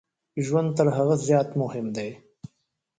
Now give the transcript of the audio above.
ژوند تر هغه زیات مهم دی.